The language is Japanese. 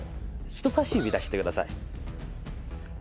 人さし指出してください。